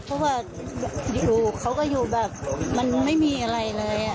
เพราะว่าอยู่เขาก็อยู่แบบมันไม่มีอะไรเลย